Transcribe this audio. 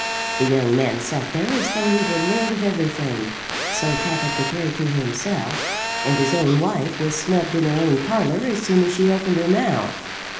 The young man sat there as though he were lord of everything, so Tappitt declared to himself; and his own wife was snubbed in her own parlour as soon as she opened her mouth.